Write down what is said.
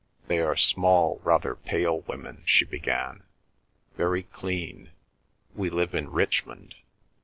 "They are small, rather pale women," she began, "very clean. We live in Richmond.